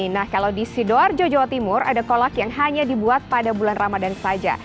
nah kalau di sidoarjo jawa timur ada kolak yang hanya dibuat pada bulan ramadan saja